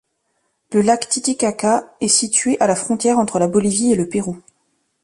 Le lac Titicaca est situé à la frontière entre la Bolivie et le Pérou.